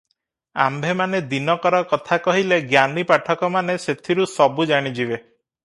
ଆମ୍ଭେମାନେ ଦିନକର କଥା କହିଲେ ଜ୍ଞାନୀ ପାଠକମାନେ ସେଥିରୁ ସବୁ ଜାଣିଯିବେ ।